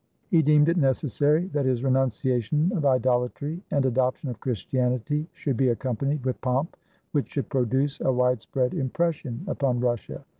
He deemed it necessary that his renunciation of idol atry and adoption of Christianity should be accompa nied with pomp which should produce a widespread impression upon Russia.